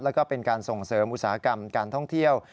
แล้วก็เป็นการส่งเสริมอุตสาหกรรมการท่องเที่ยว